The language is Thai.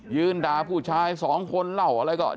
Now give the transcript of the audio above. ยืนด่าผู้ชาย๒คนเล่าอะไรก่อน